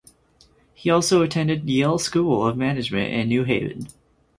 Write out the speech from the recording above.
He also attended Yale School of Management in New Haven.